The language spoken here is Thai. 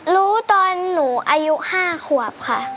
รู้ตอนหนูอายุ๕ขวบค่ะ